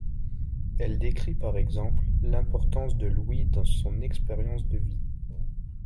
Elle décrit par exemple l'importance de l'ouïe dans son expérience de vie.